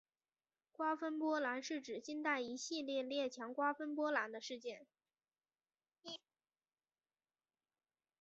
瓜分波兰是指近代一系列列强瓜分波兰的事件。